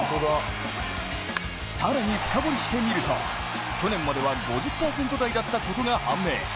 更に深掘りしてみると去年までは５０％台だったことが判明。